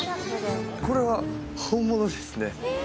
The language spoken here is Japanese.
これは本物ですね